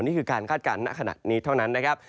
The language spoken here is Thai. นี่คือการคาดการณ์ณขณะนี้เท่านั้นนะครับ